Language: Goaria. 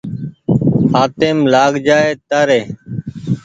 هآتيم لآگ جآئي تآري